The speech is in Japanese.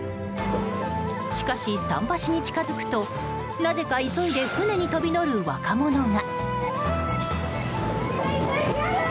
しかし、桟橋に近づくとなぜか急いで船に飛び乗る若者が。